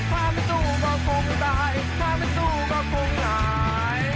ถ้าไม่สู้ก็คงตายถ้าไม่สู้ก็คงหลาย